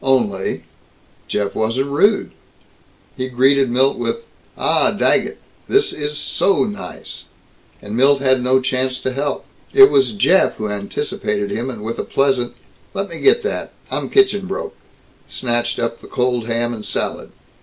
Only Jeff wasn't rude. He greeted Milt with, "Ah, Daggett! This is so nice!" And Milt had no chance to help. It was Jeff who anticipated him and with a pleasant, "Let me get that I'm kitchen broke," snatched up the cold ham and salad.